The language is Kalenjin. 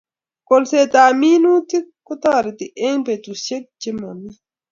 Kolset ab minutik ko tareti eng petushek che mami